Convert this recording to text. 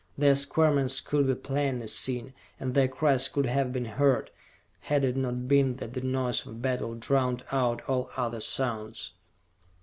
Their squirmings could be plainly seen, and their cries could have been heard, had it not been that the noise of battle drowned out all other sounds.